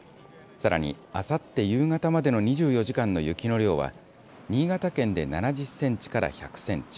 さらに、あさって夕方までの２４時間の雪の量は新潟県で７０センチから１００センチ